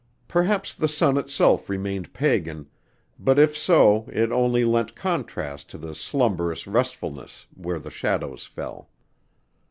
Perhaps the sun itself remained pagan, but if so it only lent contrast to the slumberous restfulness where the shadows fell.